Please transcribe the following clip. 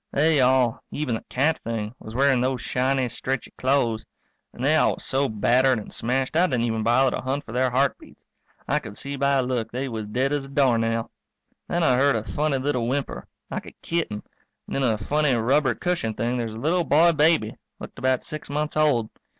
They all even the cat thing was wearing those shiny, stretchy clo'es. And they all was so battered and smashed I didn't even bother to hunt for their heartbeats. I could see by a look they was dead as a doornail. Then I heard a funny little whimper, like a kitten, and in a funny, rubber cushioned thing there's a little boy baby, looked about six months old.